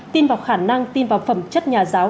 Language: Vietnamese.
tin vào khả năng tin vào phẩm chất nhà giáo